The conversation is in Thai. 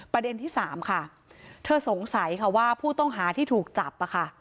ประเด็นที่สามค่ะเธอสงสัยค่ะว่าผู้ต้องหาที่ถูกจับอะค่ะ